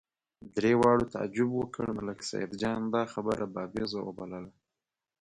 درې واړو تعجب وکړ، ملک سیدجان دا خبره بابېزه وبلله.